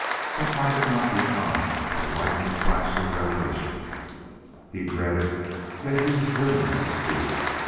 What might it not become with a lightning flash of revelation? He dreaded, yet he was driven to speak.